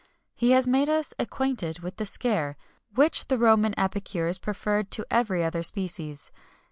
He has made us acquainted with the scare, which the Roman epicures preferred to every other species.